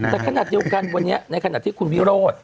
แต่ขณะเดียวกันวันนี้ในขณะที่คุณวิโรธ